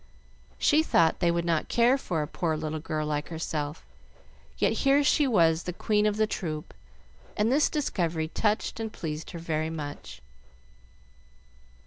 She thought they would not care for a poor little girl like herself, yet here she was the queen of the troupe, and this discovery touched and pleased her very much.